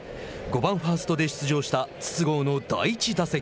５番、ファーストで出場した筒香の第１打席。